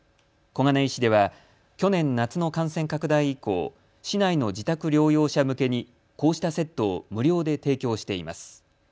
小金井市では去年、夏の感染拡大以降、市内の自宅療養者向けにこうしたセットを無料で提供しています。